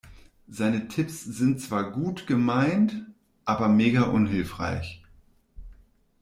Seine Tipps sind zwar gut gemeint aber mega unhilfreich.